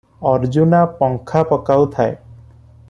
ଅରଜୁନା ପଙ୍ଖା ପକାଉଥାଏ ।